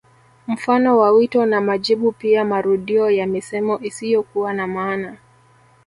Mfano wa wito na majibu pia marudio ya misemo isiyokuwa na maana